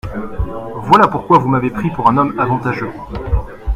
Voilà pourquoi vous m’avez pris pour un homme avantageux.